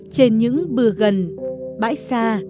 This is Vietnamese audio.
trên những bừa gần bãi xa